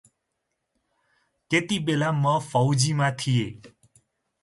त्यतिबेला म फौजीमा थिए।